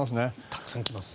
たくさん来ます。